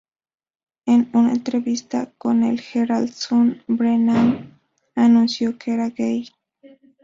En una entrevista con el "Herald Sun", Brennan anunció que era gay.